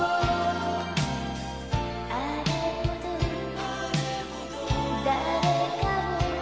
「あれほど誰かを」